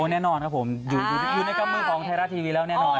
โอ้แน่นอนครับผมอยู่ในกล้ามมือของไทราสต์ทีวีแล้วแน่นอน